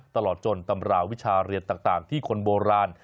ตลอดจนตำราวิชาเรียนต่างที่คนโบราณ